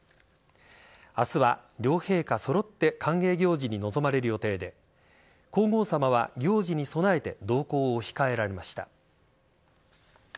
明日は両陛下揃って歓迎行事に臨まれる予定で皇后さまは行事に備えて同行を控えられました。